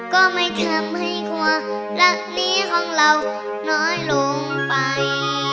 ก็ไม่ทำให้ความรักเนี้ยของเราน้อยลงไป